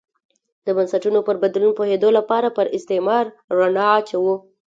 د بنسټونو پر بدلون پوهېدو لپاره پر استعمار رڼا اچوو.